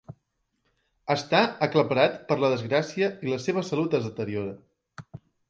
Està aclaparat per la desgràcia i la seva salut es deteriora.